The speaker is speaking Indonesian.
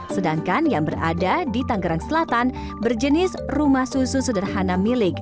sedangkan yang berada di tanggerang selatan berjenis rumah susu sederhana milik